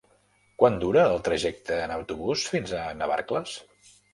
Quant dura el trajecte en autobús fins a Navarcles?